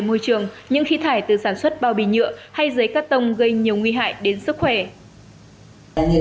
môi trường bác sĩ nói mắt của bà bị như thế nào bác sĩ nói mắt của bà bị như thế nào